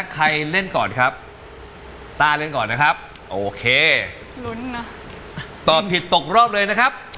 ใครเล่นก่อนครับ